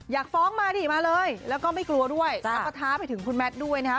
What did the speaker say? อยากฟ้องมาดิมาเลยแล้วก็ไม่กลัวด้วยแล้วก็ท้าไปถึงคุณแมทด้วยนะฮะ